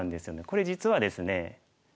これ実はですね